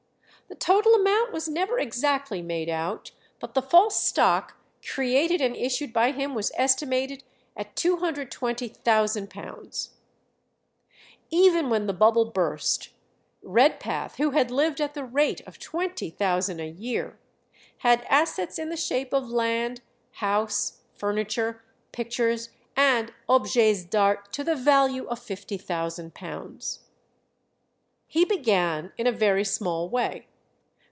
The total amount was never exactly made out, but the false stock created and issued by him was estimated at £220,000. Even when the bubble burst Redpath, who had lived at the rate of twenty thousand a year, had assets in the shape of land, house, furniture, pictures, and objets d'art to the value of £50,000. He began in a very small way.